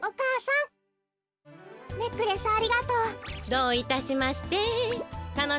どういたしまして。